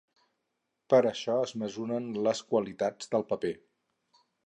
Per a això es mesuren les qualitats del paper.